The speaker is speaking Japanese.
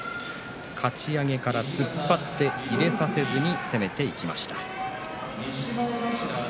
かち上げから突っ張って入れさせずに攻めてきました。